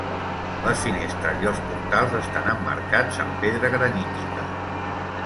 Les finestres i els portals estan emmarcats amb pedra granítica.